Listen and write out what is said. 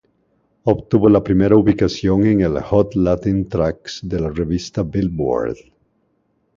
Obtuvo la primera ubicación en el Hot Latin Tracks de la revista Billboard.